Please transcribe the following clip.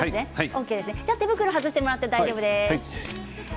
手袋を外していただいて大丈夫です。